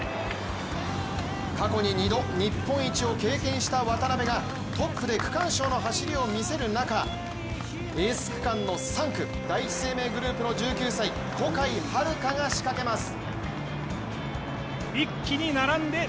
過去に２度、日本一を経験した渡邊がトップで区間賞の走りを見せる中、エース区間の３区第一生命グループの１９歳小海遥が仕掛けます。